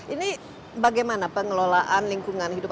ini bagaimana pengelolaan lingkungan hidup